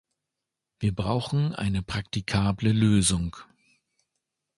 Wir brauchen eine praktikable Lösung.